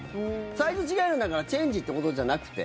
サイズ違うんだからチェンジということじゃなくて？